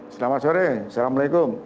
selamat sore assalamualaikum